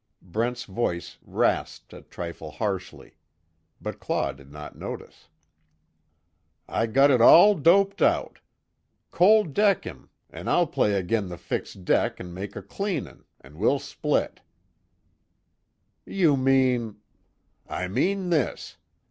Brent's voice rasped a trifle harshly, but Claw did not notice. "I got it all doped out. Cold deck him an' I'll play agin the fixed deck an' make a cleanin' an' we'll split." "You mean " "I mean this.